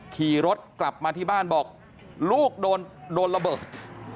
ขี่รถกลับมาที่บ้านบอกลูกโดนระเบิด